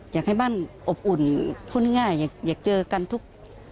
อยากให้บ้านอบอุ่นพูดง่ายอยากเจอกันทุก